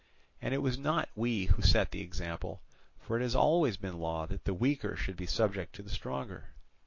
And it was not we who set the example, for it has always been law that the weaker should be subject to the stronger.